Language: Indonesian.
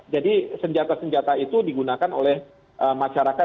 jadi senjata senjata itu digunakan oleh masyarakat di ukraina untuk memperbaiki perusahaan